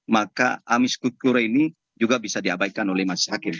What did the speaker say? maka amikus kure ini juga bisa diabaikan oleh masis hakim